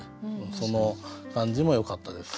その感じもよかったですし。